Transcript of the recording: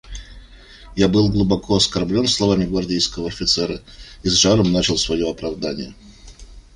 Я был глубоко оскорблен словами гвардейского офицера и с жаром начал свое оправдание.